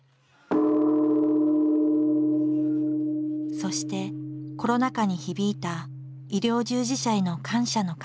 そしてコロナ禍に響いた医療従事者への感謝の鐘。